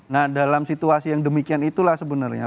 nah dalam situasi yang demikian itulah sebenarnya